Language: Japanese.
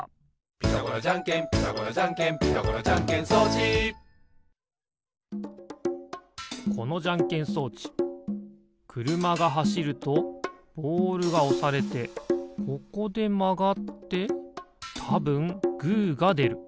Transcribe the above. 「ピタゴラじゃんけんピタゴラじゃんけん」「ピタゴラじゃんけん装置」このじゃんけん装置くるまがはしるとボールがおされてここでまがってたぶんグーがでる。